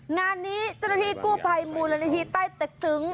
งานนี้เจ้าหน้าที่กู้ไภมูลละนาทีใต้แตกตึ้ง